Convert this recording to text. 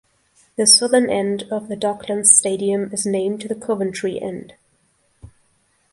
The southern end of the Docklands Stadium is named the "Coventry end".